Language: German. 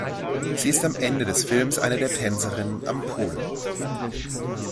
Sie ist am Ende des Films eine der Tänzerinnen am Pool.